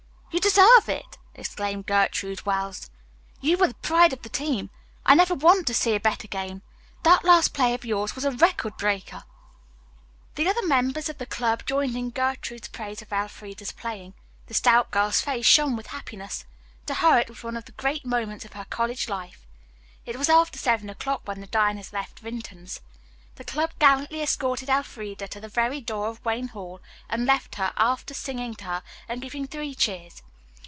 "You deserve it!" exclaimed Gertrude Wells. "You were the pride of the team. I never want to see a better game. That last play of yours was a record breaker." The other members of the club joined in Gertrude's praise of Elfreda's playing. The stout girl's face shone with happiness. To her it was one of the great moments of her college life. It was after seven o'clock when the diners left Vinton's. The club gallantly escorted Elfreda to the very door of Wayne Hall and left her after singing to her and giving three cheers.